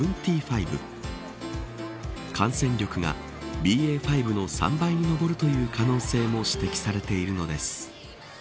感染力がＢＡ．５の３倍に上るという可能性も指摘されているのです。